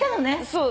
そう。